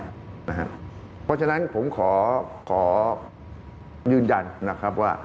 เพราะฉะนั้นผมขอยืนยันนะครับว่า